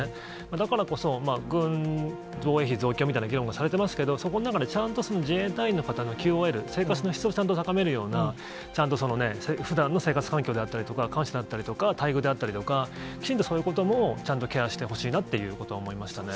だからこそ、防衛費増強みたいな議論がされてますけど、そこの中で、ちゃんと自衛隊員の方のＱＯＬ、生活の質をちゃんと高めるような、ちゃんとそのね、ふだんの生活環境であったりとか、だったりとか、待遇であったりとか、きちんとそういうこともちゃんとケアしてほしいなっていうことは思いましたね。